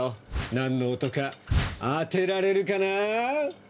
なんの音か当てられるかな？